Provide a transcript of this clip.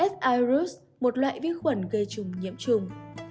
s iris một loại vết khuẩn gây trùng nhiễm trùng